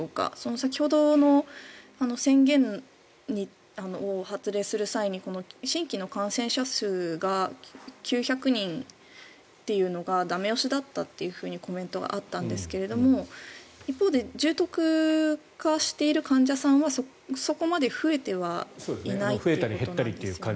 先ほどの宣言を発令する際に新規の感染者数が９００人というのが駄目押しだったというコメントがあったんですが一方で重篤化している患者さんはそこまで増えてはいないということなんですよね。